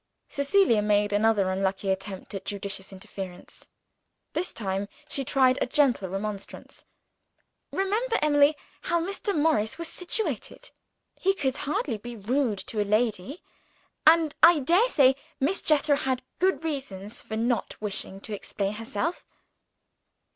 Cecilia made another unlucky attempt at judicious interference. This time, she tried a gentle remonstrance. "Remember, Emily, how Mr. Morris was situated. He could hardly be rude to a lady. And I daresay Miss Jethro had good reasons for not wishing to explain herself."